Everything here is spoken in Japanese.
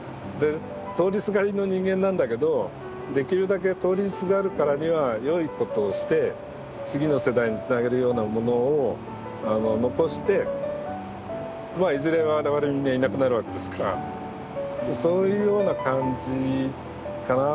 通りすがりの人間なんだけどできるだけ通りすがるからには良いことをして次の世代につなげるようなものを残していずれは我々みんないなくなるわけですからそういうような感じかな。